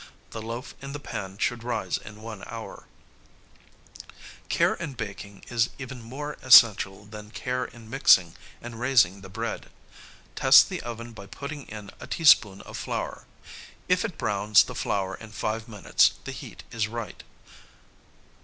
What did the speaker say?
The loaf in the pan should rise in one hour. [Sidenote: The fire.] [Sidenote: Time.] Care in baking is even more essential than care in mixing and raising the bread. Test the oven by putting in a teaspoonful of flour. If it browns the flour in five minutes the heat is right.